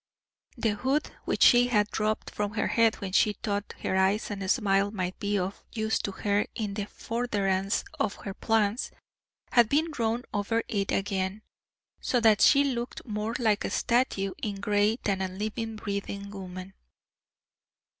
The hood, which she had dropped from her head when she thought her eyes and smile might be of use to her in the furtherance of her plans, had been drawn over it again, so that she looked more like a statue in grey than a living, breathing woman.